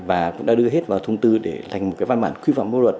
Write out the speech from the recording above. và cũng đã đưa hết vào thông tư để thành một cái văn bản quy phạm mô luật